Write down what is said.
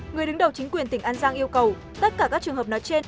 người đứng đầu chính quyền tỉnh an giang yêu cầu tất cả các trường hợp nói trên